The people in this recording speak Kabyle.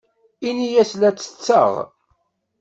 Ini-as la ttetteɣ.